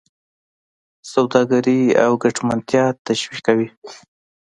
سوداګري او ګټمنتیا تشویقوي.